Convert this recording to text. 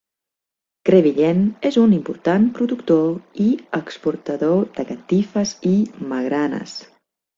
Crevillent és un important productor i exportador de catifes i magranes.